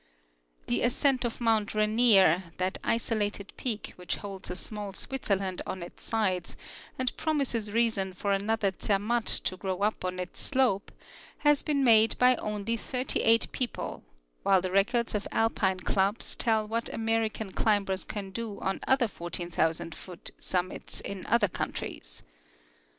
The ascent of mount Rainier, that isolated peak which holds a small Switzerland on its sides and promises reason for another Zermatt to grow up on its slope, has been made by only thirty eight people, while the records of Alpine clubs tell what American climbers can do on other 14,000 foot summits in other countries.